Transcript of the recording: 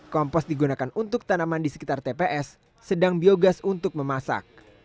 kompos digunakan untuk tanaman di sekitar tps sedang biogas untuk memasak